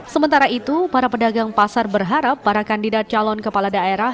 sementara itu para pedagang pasar berharap para kandidat calon kepala daerah